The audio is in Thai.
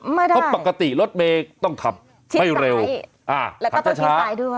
ไม่ได้ก็ปกติรถเมย์ต้องขับให้เร็วชิดซ้ายแล้วก็ต้องชิดซ้ายด้วย